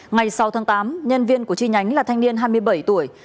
ngày sáu tháng tám nhân viên của chi nhánh là thanh niên hai mươi bảy tuổi